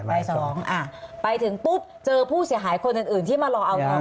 บ่าย๒อ่ะไปถึงปุ๊บเจอผู้เสียหายคนอื่นที่มารอเอาทองไหมละ